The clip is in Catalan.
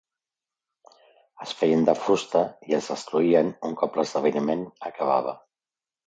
Es feien de fusta i es destruïen un cop l'esdeveniment acabava.